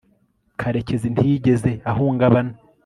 karekezi ntiyigeze ahungabana